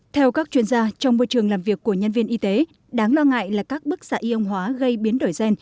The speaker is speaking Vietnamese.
theo các chuyên gia trong môi trường làm việc của nhân viên y tế đáng lo ngại là các bức xạ y âm hóa gây biến đổi gen